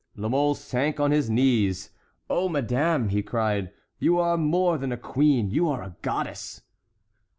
La Mole sank on his knees. "Oh, madame," he cried, "you are more than a queen—you are a goddess!"